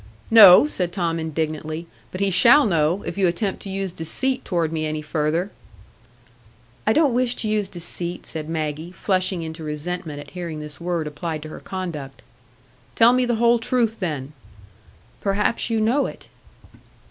"No," said Tom indignantly. "But he shall know, if you attempt to use deceit toward me any further." "I don't wish to use deceit," said Maggie, flushing into resentment at hearing this word applied to her conduct. "Tell me the whole truth, then." "Perhaps you know it."